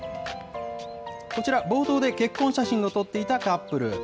こちら、冒頭で結婚写真を撮っていたカップル。